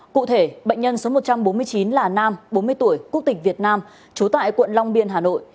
cụ thể bệnh nhân số một trăm bốn mươi chín là nam bốn mươi tuổi quốc tịch việt nam trú tại quận long biên hà nội